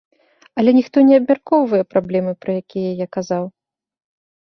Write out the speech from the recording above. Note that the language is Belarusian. Але ніхто не абмяркоўвае праблемы, пра якія я казаў.